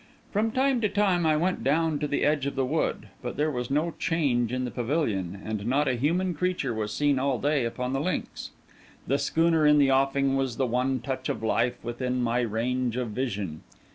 From time to time I went down to the edge of the wood; but there was no change in the pavilion, and not a human creature was seen all day upon the links. The schooner in the offing was the one touch of life within my range of vision.